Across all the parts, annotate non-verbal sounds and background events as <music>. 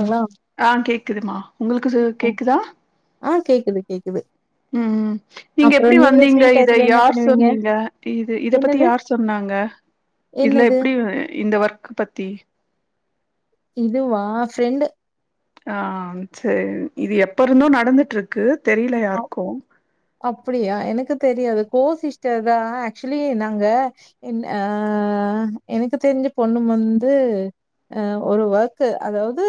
ங்களா அ கேக்குதுமா உங்களுக்கு கேக்குதா அ கேக்குது கேக்குது ம் ம் நீங்க அப்புறோ எப்டி ஃப்ரீ வந்தீங்க இத டைத்துல என்ன யார் பண்ணுவீங்க சொன்னீங்க இ இத பத்தி என்னது யார் சொன்னாங்க இதுல என்னது எப்டி இந்த ஒர்க் பத்தி இதுவா ஃப்ரெண்டு ஆம் சேர் இது எப்ப இருந்தும் நடந்துட்டு இருக்கு தெரில யாருக்கும் அப்டியா எனக்கு தெரியாது கோ சிஸ்டர் தா ஆக்சுவலி நாங்க இன் ஆ எனக்கு தெரிஞ்ச பொண்ணு வந்து அ ஒரு ஒர்க் அதாவது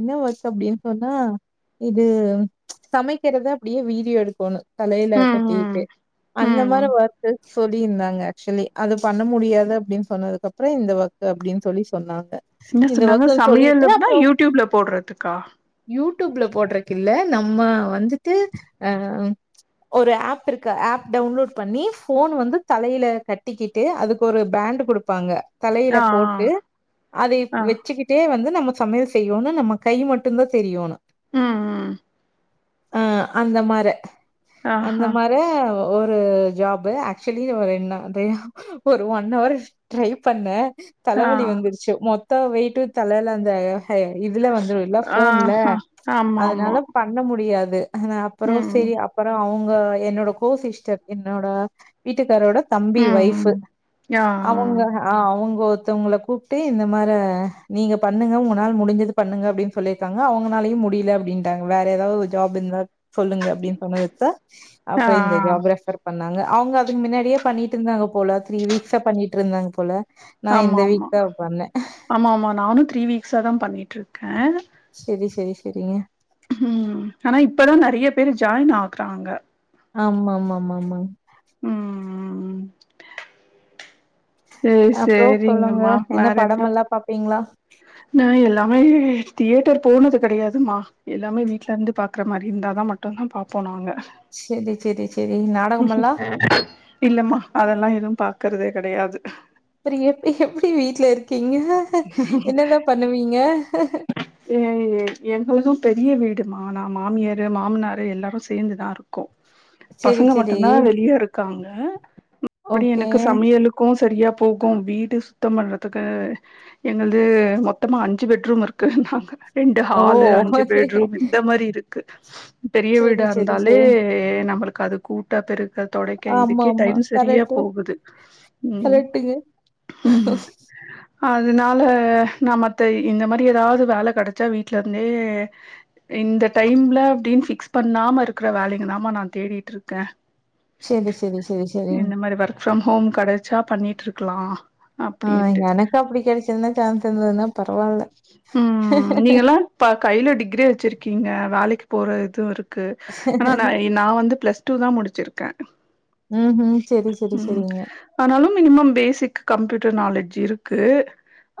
என்ன ஒர்க் அப்டின்னு சொன்னா இது சமை இருக்கிறத அப்டியே வீடியோ எடுக்கணும் தலையில ம் கட்டிட்டு ம் அந்த ம் மாரி வரு சொல்லிருந்தாங்க ஆக்சுவலி அது பண்ண முடியாது அப்டின்னு சொன்னதுக்கு அப்பறோ இந்த ஒர்க் அப்டின்னு சொல்லினு சொன்னாங்க என்ன இந்த சொன்னாங்க ஒர்க்குன்னு சமையல் சொல்லிட்டு அப்டின்னா அப்புறம் யூடியூப்ல போடுறதுக்கா யூடியூப்ல போடுறக்கில்ல நம்ம வந்துட்டு அ ஒரு ஆப் இருக்கு ஆப் டவுன்லோட் பண்ணி போன் வந்து தலையில கட்டிக்கி ட்டு அதுக்கு ஒரு பேண்டு கொடுப்பாங்க தலையில ஆ போட்டு அதை ஆ ஆ வச்சிக் டே வந்து நம்ம சமையல் செய்யணும் நம்ம கை மட்டும் தா தெரியணும் ம் ம் அ அந்த மார அந்த ஆஹா மார ஒரு ஜாப்பூ ஆக்சுவலி ஒரு ரெண் நாள் ஒரு ஒன் ஹவர் ட்ரை பண்ண ஆ தலைவலி வந்துருச்சு மொத்தா வெயிட்டு தலையல அந்த ஹே இதுல வந்துருல்ல போன்ல ஆஹா ஆமா ஆமா அதனால பண்ண முடியாது அ அப்பறோ ம் செரி அப்பறம் அவுங்க என்னோட கோ சிஸ்டர் என்னோட வீட்டுக்காரோட ம் தம்பி வைஃப் ம் ஆ அவங்க அ அவுங்க ஒருத்தவங்கள கூப்ட்டு இந்த மார நீங்க பண்ணுங்க உங்க நாள முடிஞ்சது பண்ணுங்க அப்டின்னு சொல்லிருக்காங்க அவங்களாலயும் முடில அப்டின்டாங்க வேற ஏதாவது ஜாப் இருந்தா சொல்லுங்க அப்டின்னு சொன்னதுக்கு தான் ஆ ஆ அப்பறம் இந்த ஜாப் ரெப்ஃபர் பண்ணாங்க அவுங்க அதுக்கு மின்னாடியே பண்ணிட்டு இருந்தாங்க போல த்ரீ வீக்ஸ்ஸா பண்ணிட்ருந்தாங்க போல நா ஆமா இந்த வீக் ஆமா தா பண்ணே. ஆமா ஆமா நானும் த்ரீ வீக்ஸா தான் பண்ணிட்டு இருக்க செரி செரி செரி ம் ஆனா இப்பதான் நிறைய பேரு ஜாயின் ஆகுறாங்க ஆமா ஆமாம்மமாம்மா ம்ம்ம் அப்றோ சொல்லுங்க சேரிங்கம்மா என்ன படம்லாம் பாப்பீங்களா நான் எல்லாமே தியேட்டர் போனது கிடையாதுமா எல்லாமே வீட்ல இருந்து பாக்குற மாரி இருந்தாதா மட்டுந்தா பாப்போ நாங்க. செரி, செரி, செரி நாடகமல்லா. இல்லம்மா, அதெல்லா எதும் பாக்குறதே கடையாது. செரிங்க எப் எப்படி வீட்ல இருக்கீங்க என்னதா பண்ணுவீங்க ஏ எங்களுது பெரிய வீடுமா நா மாமியாரு மாமனாரு எல்லாரு சேந்துதா இரு க்கும் செரி பசங்க செரி மட்டும்தான் வெளியே இருக்காங்க அப்டி ஓகே எனக்கு சமையலு கும் சரியா போகும், வீடு சுத்தம் பண்றதுக்கு எங்கள்து மொத்தமா அஞ்சு பெட் பெட்ரூம் இருக்குனாங்க ரெண்டு ஓ ஹாலு, அஞ்சு ஓகே பெட்ரூம், இந்த மாரி இருக்கு. பெரிய செரி வீடா செரி இருந்தாலே, செரி நம்மளுக்கு அது கூட்ட பெருக்க தொடைக்க ஆமா இதுக்கே ஆமா டைம் செரியா கரெக்ட்டு போகுது ம். கரெக்ட்டுங்க ம் <inaudible> அதனால, நா மத்த இந்த மாரி ஏதாது வேல கெடச்சா, வீட்லருந்தே இந்த டைம்ல அப்டின் ஃபிக்ஸ் பண்ணாம இருக்கற வேலைங்க தாமா நா தேடிட்ருக்கேன். செரி, செரி, செரி, செரி. மாரி ஒர்க் ஃப்ரம் ஹோம் கடச்சா, பண்ணிட்ருக்கலாம். ஆ, எனக்கு அப்டி கெடைச்சிருந்தா சான்ஸ் இருந்ததுன்னா பரவால்ல. ப்பா கையில டிகிரி வச்சிருக்கீங்க வேலைக்கு போற இதும் இருக்கு, ஆனா நா நா வந்து பிளஸ் டூதா முடிச்சிருக்க. ம் ம், செரி, செரி, செரிங்க. ஆனாலும், மினிமம் பேசிக் கம்ப்யூட்டர் நாலேஜ் இருக்கு,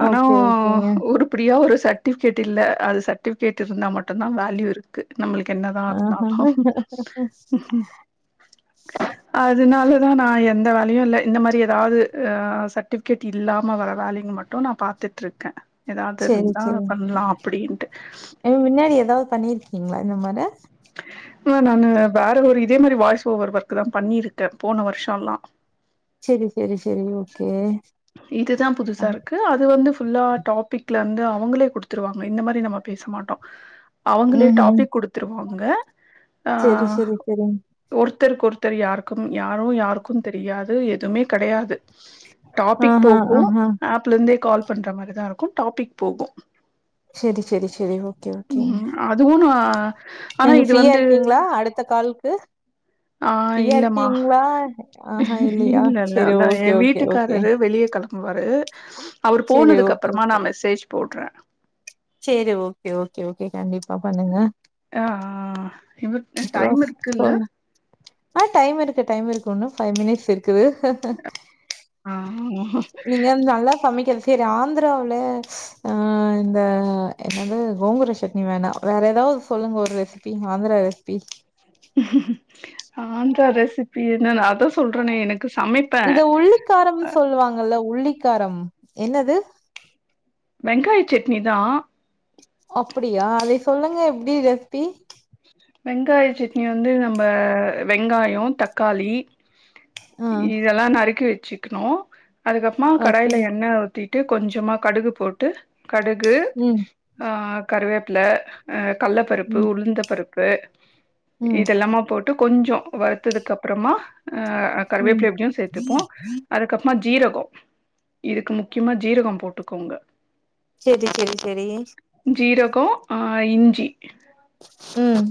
ஆனா ஓகே ஓகேங்க உருப்பிடியா ஒரு சர்டிஃபிகேட் இல்ல, அது சர்டிபிகேட் இருந்தா மட்டும் தா வல்யூ இருக். நம்மளுக்கு என்னதா ஆஹா <unintelligible> அதனாலதா நா எந்த வேலையு இல்ல, இந்த மாரி ஏதாவது ஆ சர்டிஃ கேட் இல்லாம வர வேலைங்க மட்டும் நா பாத்துட்டு்ருக்க. ஏதாது செரி இருந்தா பண்லா அப்படின்ட்டு. நீங் முன்னாடி ஏதாவது பண்ணிருக்கீங்ளா இந்த மாரி மா நானு வேற ஒரு இதே மாரி வாய்ஸ் ஓவர் ஒர்க்தா பண்ணிருக்கே, போன வருஷோலா செரி, செரி, செரி, ஓகே ஆ. து அது வந்து ஃபுல்லா டாபிக்ல இருந்து அவங்களே குடுத்துருவாங்க, இந்த மாரி நம்ம பேச மாட்டோம். அவுங்களே ம் டாபிக் குடுத்துருவாங்க, ஆ. செரி செரி செரிங் ஒருத்தருக் கொருத்தர் யாருக்கும் யாரோ யாருக்கும் தெரியாது எதுவுமே கடையாது. டாபிக் ஆஹா போகு ஆஹா ஆப்ல இருந்தே கால் பண்ற மாரிதா இருக்கு, டாபிக் போகு செரி, செரி, செரி, ஓகே ஓகேங்க. அதுவு நா ஆனா நீங்க இது ஃப்ரீயா வந்து இருக்கீங்களா, அடுத்த காலுக்கு ஆ, இல்லமா, ஆஹா இல்லையா இல்ல, இல்ல, செரி அதா எ ஓகே ஓகே ஓகே வீட்டுக்காரரு வெளியே களம் வாரு அவரு செரி போனதுக்கு ஓகே அப்பறமா நா மெசேஜ் போட்ற. சேரி, ஓகே, ஓகே, ஓகே, கண்டிப்பா பண்ணுங்க. ஆஹ் இன்னும் அப்றோ டைம் இருக்குல்ல. சொல் ஆ, டைமு இருக்கு, டைம் இருக்கு, ஒன்னும் ஃபைவ் மினிட்ஸ் இருக்குது. ஆ நீங்க நல்லா சமைக்கறது செரி, ஆந்தராவுல ஆ இந்த என்னது கோங்குர சட்னி வேணா. வேற ஏதாது சொல்லுங்க, ஒரு recipe, Andhra recipe. Andhra recipe என்ன, நாதா சொல்றேனே எனக்கு சமைப்ப இந்த உள்ளிக்காரம் சொல்லுவாங்கல்ல உள்ளிக்காரம், என்னது வெங்காய சட்னி தா. அப்படியா, அதை சொல்லுங்க எப்டி ரெஸ்பி வெங்காய சட்னி வந்து நம்ம வெங்காயோ தக்காளி ஆ இதெல்லா நறுக்கி வச்சுக்கிணு அதுக்கப்றமா ஓகே கடாய்ல எண்ண ஊத்தி ட்டு கொஞ்சமா கடுகு போட்டு கடுகு ம் ஆ கருவேப்பில அ கல்லப்பருப்பு, ம் உளுந்த பருப்பு ம் இதெல்லாம போட் டு கொஞ்சோ வருத்ததுக்கு அப்பறமா அ ம் கருவேப்பில எப்டியு சேத்துப்போ அது கப்மா ஜீரகோ இதுக்கு முக்கியமா ஜீரகோ போட்டுக்கோங்க செரி செரி செரி ஜீரகோ ஆ இஞ்சி ம்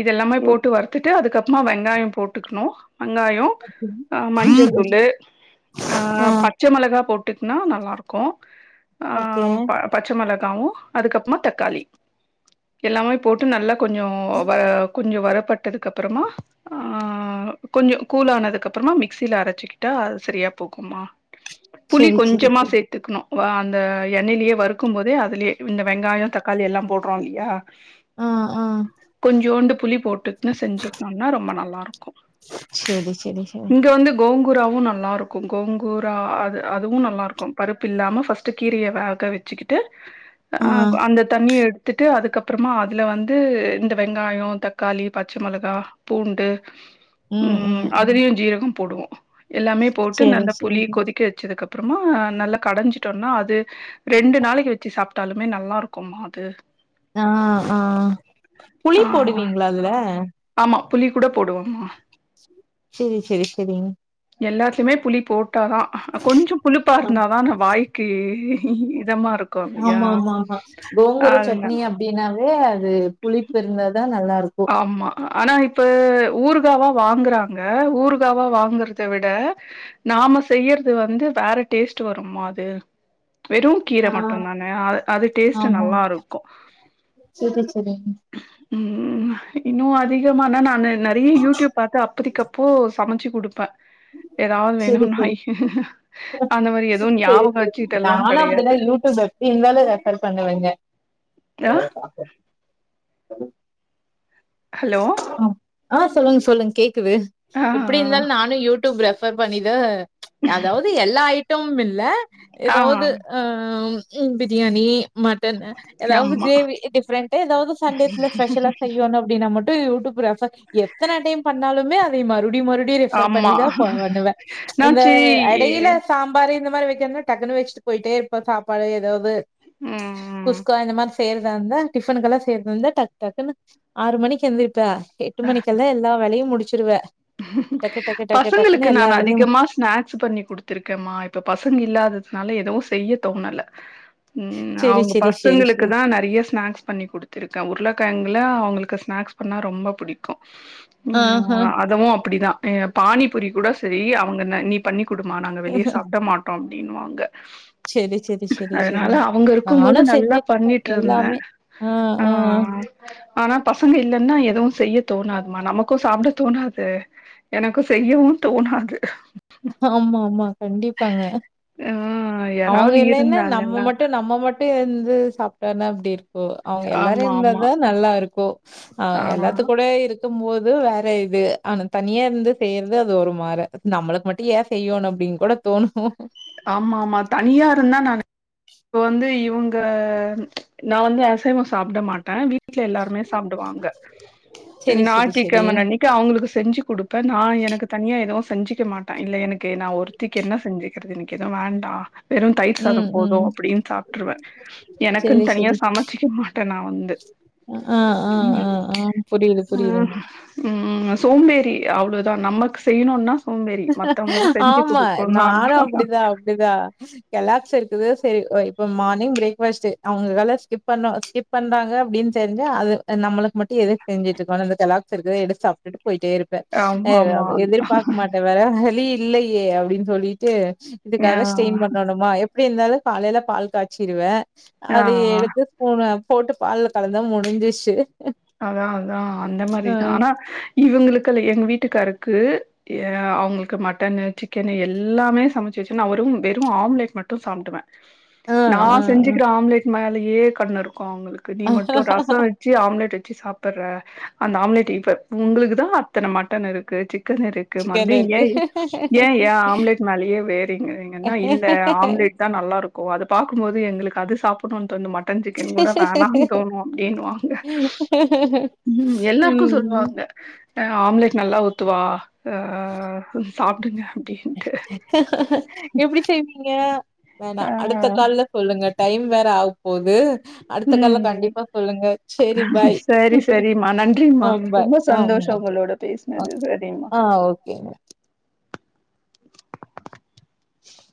இதெல்லாமே போட்டு வறுத்துட்டு அதுக்கப்றமா வெங்காயோ போட்டுக்குணு வெங்காயோ சரி. அ மஞ்சதூளு ஆ பட் ச்சமொளகா போட்டுட்ன்னா நல்லா இருக்கு ஓகே பச்ச மெளகாவு அதுக்கப்றமா தக்காளி எல்லாமே போட்டு நல்லா கொஞ்சோ வ கொஞ்சோ வரப்பட்டதுக்கு அப்பறமா ஆ ஆ கொஞ்சோ கூலானதுக்கு அப்றமா மிக்சில அரைச்சுக்கிட்டா அது சரியா போகுமா புளி செரி செரி கொஞ்சமா செரி சேத் த்துக்கணு ஓ அந்த எண்ணெயிலயே வறுக்கும் போதே அதுலே இந்த வெங்காயோ தக்காளி எல்லா போடுறோ இல்லியா ஆ ஆ கொஞ்சோண்டு புளி போட்டுகுன்னு செஞ்சீக்னோன்னா ரொம்ப நல்லா இருக்கு செரி செரி செரி இங்க வந்து கோங்கூராவு நல்லாருக்கு கோங்கூரா அது அதுவு நல்லாருக்கு பருப்பு இல்லாம ஃபஸ் ட்டு கீரய வேக வச்சுக்கிட்டு ஆ அ அந்த தண்ணிய எடுத்துட்டு அதுக்கப்றமா அதுல வந்து இந்த வெங்காயோ தக்காளி பச்ச மெளகா பூண்டு ம் அதலயு ஜீரகோ போடுவோ எல்லாமே போட்டு செரி நல்ல புளி செரி கொதிக்க வெச்சதுக்கு அப் அப்பறமா நல்லா கடஞ்சிட்டொன்னா அது ரெண்டு நாளைக்கு வெச்சு சாப்ட்டாலுமே நல்லா இருக்கும்மா அது ஆ ஆ புளி ஆ போடுவிங்ளா அதுல ஆமா புளி கூட போடுவோமா செரி செரி செரிங் எல்லாத்துலயுமே புளி போட்ட தா கொஞ்சோ புளிப்பா இருந்தாதா அந்த வாய்க்கு இதமா இருக்கு இல்லயா கோங்குர சட்னி அப்டின்னாவே அது புளிப்பு இருந்தா தா நல்லா இருக்கு அம்மா ஆனா இப்ப ஊறுகாவா வாங்கறாங்க ஊறுகாவா வாங்கறத விட நாம செய்யறது வந்து வேற டேஸ்ட் வரும்மா அது வெறு கீர ஆ மட்டுந்தான அது அது டேஸ்ட்டு ஆமா நல்லா இருக்கு செரி செரிங்க ம் இன்னு அதிகமானா நானு நெறையா யூடியூப் பாத்து அப்பதிக்கப் பூ சமச்சு குடுப்ப எதாவது செரி வேணுன்னா செரி அந்த மாரி எதுவு செரி ஞாபகோ செரி வச்சிட்டு எல்லா நானு அப்டிதா கெடையாது யூடியூப் இருந்தாலு ரெஃபர் பண்ணுவங்க <inaudible> ஆ ஹலோ ஆ சொல்லுங்க சொல்லுங் கேக்குது ஆ எப்படி ஆ இருந்தாலு நானு யூ யூப் ரெஃபர் பண்ணிதா அதாவது எல்லா ஐட்டமும்மில்ல ஆ எதாவது ஆம் பிரியாணி மட்டன்னு எதாவது ஆமா, கிரேவி டிஃப்ரெண்ட்டா எதாவது சண்டேஸ்ல ஸ்பெஷல்லா செய்யோனு அப்டினா மட்டு யூடியூப் ரெஃபர் எத்தன டைம் பண்ணாலுமே அதைய மறுடியு மறு டி ரெஃபர் ஆமா. பண்ணிதா ப பண்ணுவ நான் இந்த சரி எடையீல சாம்பார் இந்த மாரி வெக்கறதுனா டக்குன்னு வச்சுட்டு போயிட்டே இருப்பே சாப்பாடு எதாது ம். குஸ்கா இந்த மாரி செய்ற தா இருந்தா டிபனுக்கெல்லா செய்றதா இருந்தா டக் டக்குன்னு ஆறு மணிக்கு எந்திருப்ப எட்டு மணிக்கல்லா எல்லா வேலையு முடிச்சிருவ டக்கு டக்கு டக்கு டக்குன்னு பசங்களுக்கு எல்லா நானு வேலையும் அதிகமா ஸ்நாக்ஸ் பண்ணி குடுடத்திருக்கேமா இப்ப பசங்க இல்லாததுனால எதுவு செய்ய தோணல ம் சரி அவுங்க சரி சரி பசங்களுக்கு சரி. தா நெறையா ஸ்நாக்ஸ் பண்ணி குடுத் ச்சிருக்கே உருளைக்கெழங்குல அவுங்களுக்கு ஸ்நாக்ஸ் பண்ணா ரொம்ப பிடிக்கு ஆஹ. இங்கவு அப்டிதா ஏங்க பானிபுரி கூட செரி அவுங்க ந நீ பண்ணி் குடுமா நாங்க வெளிய சாப்ட மாட் அப்டினுவாங்க செரி செரி செரி செரி இருக்கும்போது நானு நல்லா செஞ்சுருக்கே பண்ணிட்டு இருந்தேன். எல்லாமே அ அ ஆ. ஆனா பசங்க இல்லன்னா எதுவு செய்ய தோணாதுமா நமக்கும் சாப்ட தோணாது அ எனக்கு செய்யவு தோணாது ஆம்மா ஆம்மா கண்டிப்பாங்க ஆ அவுங்க யாராவது இல்லைனா நம்ம இருந்தாங்கன்னா மட்டு நம்ம மட்டு இருந்து சாப்ட்டோனா எப்டி இருக்கு ஓ அவுங்க எல்லாரு ஆமா இருந்தா ஆமா தா நல்லா இருக்கு ஆ எல்லாத்துக் கூட இருக் க்கும் போது வேற இது ஆனா தனியா இருந்து செய்றது அது ஒரு மாற நம்மளுக்கு மட் ட்டியா செய்யணு அப்டினு கூட தோணு ஆமா ஆமா தனியா இருந்தா நானு இப்ப வந்து இவுங்க நா வந்து அசைவோ சாப்ட மாட்டே வீ வீட்டுல எல்லாருமே சாப்டுவாங்க சரி, சரி, சரி. ஞாயிற்றுக்கெழம அன்னைக் கே அவுங்களுக்கு செஞ்சு குடுப்பே நா எனக்கு தனியா எதுவு செஞ்சுக்க மாட்டே இல்ல எனக்கு நா ஒருத்திக்கு என்ன செஞ்சுக்கிறது இன்னி எது வேண்டா வெறு தயிர் ம், சாதம் போது ம். அப்டின்னு சாப்ட்டுருவே சரி, எனக்குனு தனியா சரி. சமைச்சிக்க மாட்டே நா வந்து ஆ ஆ ஆ ஆ புரியுது ஆ புரியுதுங்க ம் நா சோம்பேரி அவ்ளோதா நமக்கு செய்யணுனா ஆமா நானு அப்டிதா அப்டிதா கெலாக்ஸ் இருக்குது சரி இப்போ மார்னிங் பிரேக் ஃபாஸ்ட் அவுங்கலால ஸ்கிப் பண்ண ஸ்கிப் பண்றாங்க அப்டின் தெரிஞ்சா அது நம்மளுக்கு மட்டும் எதுக்கு செஞ்சுட்டுருக்கணு இந்த கெலாக்ஸ் இருக்கு அத எடுத்து சாப்ட்டுட்டு போயிட்டே இருக் ஆமா ஆமா அ எதிர்பாக்க மாட் வேற வழி இல்லயே அப்டின்னு சொல்லிட்டு ஆ இதுக்காக ஸ்டெயின் பண்ணணுமா எப்டி இருந்தாலு காலைல பால் காய்ச்சிருவே ஆ அத எடுத்து கூட போட்டு பால்ல கலந்தா முடிஞ்சிச்சு அதா அதா அந்த அ. மாரிதா ஆனா இவுங்களுக்குல்ல எங்க வீட்டுக்காருக்கு ஏ அவுங்களுக்கு மட்டனு சிக்கனு எல்லாமே சமைச்சு வச்சு நா ஒரும் வெறு ஆம்லேட் மட்டு சாப்டுவே அ, நா அ, அ. செஞ்சுக்கிற ஆம்லேட் மேலயே கண்ணு இருக்கு அவுங்களுக்கு நீ மட்டு ரசம் ச்சு ஆம்லெட்டு வச்சி சாப்பிடுற அந்த ஆம்லேட் இப்ப உங்களுக்குதா அத்தன மட்டன் இருக்கு சிக்கன் இருக் சிக்கன் மறுபடியு இங்க ஏன் இருக்கு. ஏ ஏன் ஆம்லேட் மேலயே வேறிங்கங்க இன்னு இல்ல ஆம்லேட் இதா நல்லா இருக்கு அது பாக்கும்போது எங்களுக்கு அது சாப்டணுன்னு தோணு மட் மட்டன் சிக்கன் கூட வேணானு தோணு அப்டினுவாங்க ஹ் ஹ்ம் ம் எல்லாருக்கு சொல்வாங்க அ ஆம்லேட் நல்லா ஊத்துவா அ கொஞ்சோ சாப்பிடுங்க அப்டின்ட்டு எப்டி செய்வீங்க வேணா ஆ அடுத்த கால்ல சொல்லுங்க டைம் வேற ஆகப் போகுது அடுத்த கால்ல ம் கண்டிப்பா சொல்லுங்க சேரி பாய் சரி சரிம்மா ஆ நன்றிம்மா பாய் ரொம்ப ஆ சந்தோஷோ ஓகே உங்களோட பேசுனது ஓகே சரிம்மா ஆ ஓகேங்க